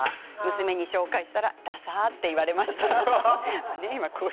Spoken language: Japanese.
娘に紹介したらダサっと言われました。